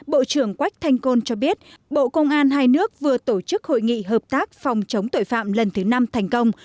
bộ trưởng quách thanh côn cho biết bộ công an hai nước vừa tổ chức hội nghị hợp tác phòng chống tội phạm lần thứ năm thành công